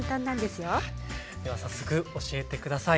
では早速教えて下さい。